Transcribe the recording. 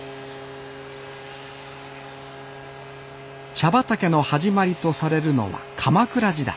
茶畑の始まりとされるのは鎌倉時代。